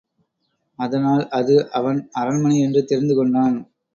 அதனால் அது அவன் அரண்மனை என்று தெரிந்து கொண்டான்.